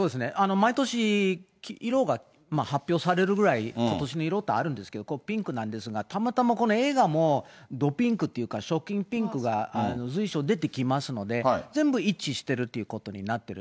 毎年色が発表されるぐらい、ことしの色ってあるんですけど、ピンクなんですが、たまたまこの映画もどピンクというか、ショッキングピンクが随所に出てきますので、全部一致してるということになってる。